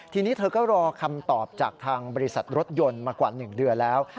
ทีนี้เธอก็รอคำตอบจากทางบริษัทรถยนต์มากว่า๑เดือนแล้ว